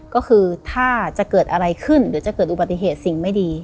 ก็คือถ้าจะเกิดอะไรขึ้นหรือจะเกิดอุบัติเหตุสิ่งไม่ดี